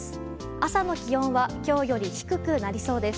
朝の気温は今日より低くなりそうです。